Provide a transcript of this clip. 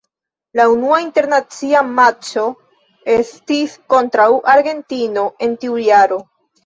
La unua internacia matĉo estis kontraŭ Argentino en tiu jaro.